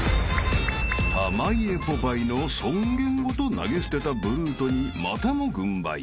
［濱家ポパイの尊厳ごと投げ捨てたブルートにまたも軍配］